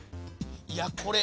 いやこれ。